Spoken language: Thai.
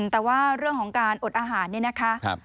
แต่ว่าเรื่องของการอดอาหารนี่นะคะ